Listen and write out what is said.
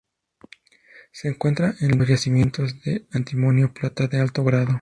Se encuentra en los yacimientos de antimonio-plata de alto grado.